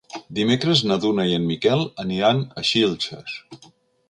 Dimecres na Duna i en Miquel aniran a Xilxes.